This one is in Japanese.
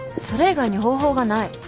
それ以外に方法がない。